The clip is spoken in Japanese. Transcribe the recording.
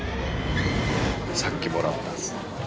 さっきもらったんですよ。